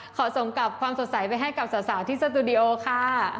ขอส่งกลับความสดใสไปให้กับสาวที่สตูดิโอค่ะ